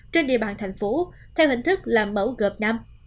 trên địa bàn thành phố theo hình thức là mẫu gợp năm